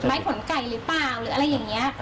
ผลไก่หรือเปล่าหรืออะไรอย่างนี้